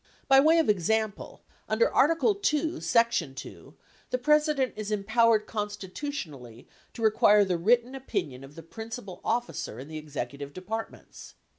By way of example, under article 2, section 2, the President is empowered constitutionally to require the written opinion of the principal officer in the executive departments.